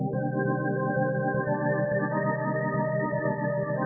gak ada apa apa